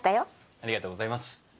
ありがとうございます。